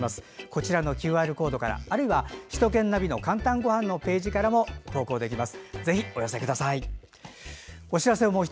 こちらのＱＲコードからあるいは首都圏ナビの「かんたんごはん」のページからも投稿できます。